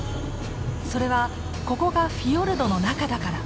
それはここがフィヨルドの中だから。